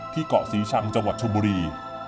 ที่เกาะสีชังจังหวัดชมรี